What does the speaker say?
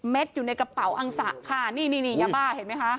เม็ดอยู่ในกระเป๋าอังสะค่ะนี่นี่ยาบ้าเห็นไหมคะ